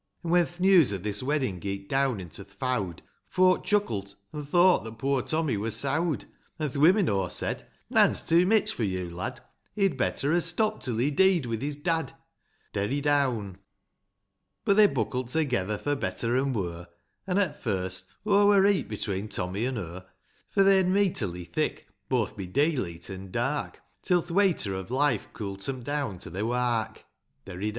An' when th' news o' this weddin' geet down into th' fowd, Folk chuckle't an' thought that poor Tommy wur sowd ; An' th' women o' said, " Nan's to mich for yon lad ; He'd better ha' stopped till he dee'd wi' his dad." Derry don n. VII. But they buckle't together, for better an' wur ; An', at first, o' wurreet between Tommy an' hur; For, they'rn meeterly thick, both bi dayleet an' dark, Till th' wayter o' life cool't 'em down to their wark. Derry down.